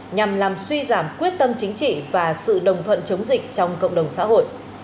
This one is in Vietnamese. nhằm làm suy giảm quyết tâm chính trị và sự đồng thuận chống dịch trong cộng đồng xã hội